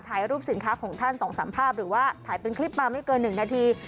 ถ่ายรูปสินค้าของท่าน๒๓ภาพหรือว่าถ่ายเป็นคลิปมาไม่เกิน๑นาที